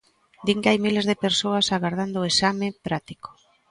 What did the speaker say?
Din que hai miles de persoas agardando o exame práctico.